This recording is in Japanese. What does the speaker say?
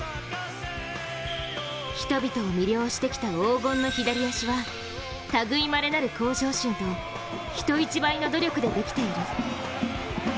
人々を魅了してきた黄金の左足はたぐいまれなる向上心と人一倍の努力でできている。